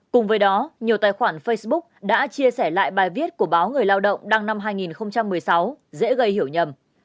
cùng với đó nhiều tài khoản facebook đã chia sẻ lại bài viết của báo người lao động đăng năm hai nghìn một mươi sáu dễ gây hiểu nhầm